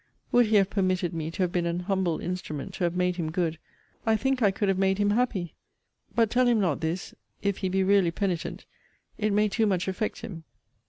Would he have permitted me to have been an humble instrument to have made him good, I think I could have made him happy! But tell him not this if he be really penitent it may too much affect him!